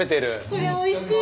これおいしい！